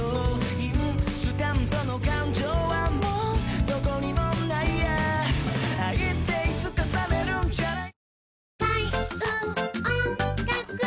インスタントの感情はもう何処にもないや「愛っていつか冷めるんじゃない？」